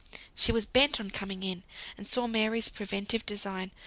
She was bent on coming in, and saw Mary's preventive design.